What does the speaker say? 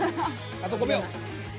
あと５秒。